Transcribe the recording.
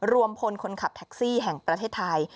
รวมพลคนขับแท็กซี่แห่งประเทศไทย